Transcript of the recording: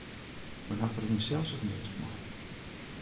Men hat der jinsels it meast mei.